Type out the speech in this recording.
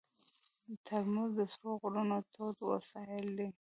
ترموز د سړو غرونو تود وسایل دي.